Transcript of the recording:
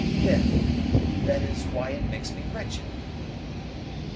Then, that is why it makes me wretched."